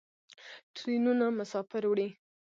ټرینونه مسافر وړي.